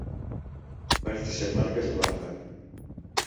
Vaig deixant marques a l'arbre.